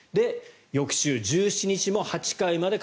翌週、１７日も８回まで。